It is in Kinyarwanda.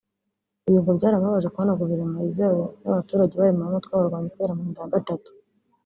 Ibi ngo byaramubabaje kubona guverinoma yizewe n’abaturage ibaremamo umutwe w’abarwanyi kubera manda ya gatatu